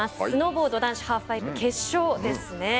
スノーボード男子ハーフパイプ決勝ですね。